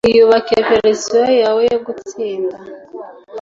iyubake verisiyo yawe yo gutsinda.